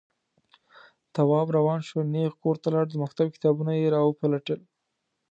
تواب روان شو، نېغ کور ته لاړ، د مکتب کتابونه يې راوپلټل.